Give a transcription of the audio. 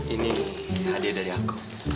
ini hadiah dari aku